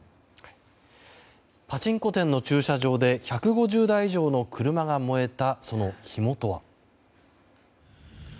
パチンコ店の駐車場で１５０台以上の車が燃えた